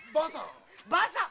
ばあさん。